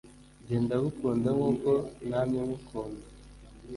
Jye ndacyagukunda nkuko namye nkukunda